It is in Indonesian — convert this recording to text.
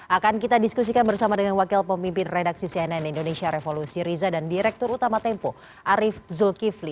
akan kita diskusikan bersama dengan wakil pemimpin redaksi cnn indonesia revolusi riza dan direktur utama tempo arief zulkifli